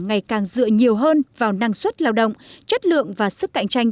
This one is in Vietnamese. ngày càng dựa nhiều hơn vào năng suất lao động chất lượng và sức cạnh tranh